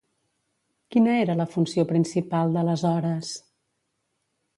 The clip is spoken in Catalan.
Quina era la funció principal de les Hores?